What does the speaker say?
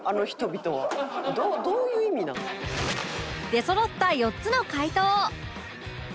出そろった４つの回答